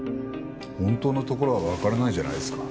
本当のところはわからないじゃないですか。